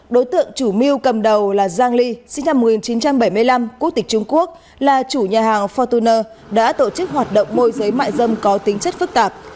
đối tượng chủ mưu cầm đầu là giang ly sinh năm một nghìn chín trăm bảy mươi năm quốc tịch trung quốc là chủ nhà hàng fortuner đã tổ chức hoạt động môi giới mại dâm có tính chất phức tạp